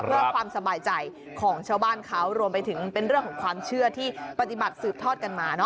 เพื่อความสบายใจของชาวบ้านเขารวมไปถึงเป็นเรื่องของความเชื่อที่ปฏิบัติสืบทอดกันมา